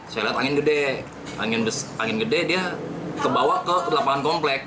saya lihat angin gede angin gede dia kebawa ke lapangan komplek